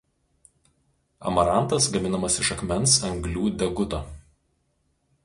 Amarantas gaminamas iš akmens anglių deguto.